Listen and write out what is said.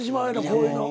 こういうの。